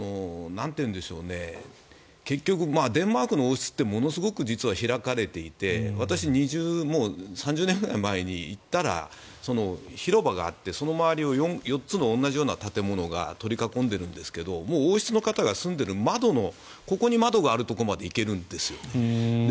結局、デンマークの王室ってものすごく実は開かれていて私、もう３０年ぐらい前に行ったら広場があって、その周りを４つの同じような建物が取り囲んでいるんですけど王室の方が住んでいる窓のここの窓があるところにまで行けるんですね。